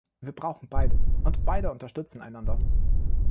Wir brauchen beides, und beide unterstützen einander.